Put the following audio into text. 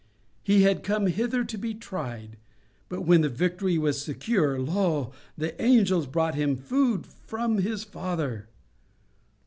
He had come hither to be tried. But when the victory was secure, lo! the angels brought Him food from His Father.